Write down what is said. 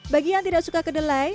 bagi yang tidak suka kedelai